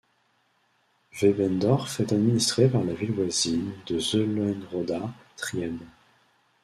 Weißendorf est administrée par la ville voisine de Zeulenroda-Triebes.